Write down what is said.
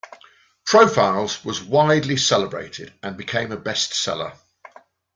"Profiles" was widely celebrated and became a best seller.